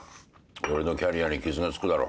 俺のキャリアに傷が付くだろ。